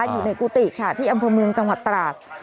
อยู่ในกุฏิค่ะที่อำเภอเมืองจังหวัดตราด